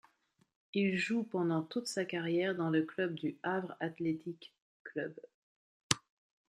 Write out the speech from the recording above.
Il joue pendant toute sa carrière dans le club du Havre Athletic Club.